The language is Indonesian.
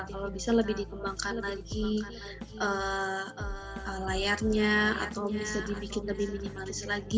kalau bisa lebih dikembangkan lagi layarnya atau bisa dibikin lebih minimalis lagi